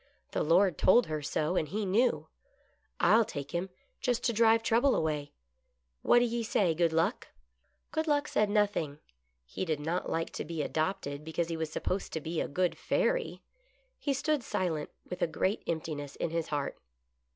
The Lord told her so, and he knew. I'll take him, just to drive trouble away. What do ye say. Good Luck ?" Good Luck said nothing. He did not like to be adopted because he was supposed to be a good fairy. He stood silent with a great emptiness in his heart.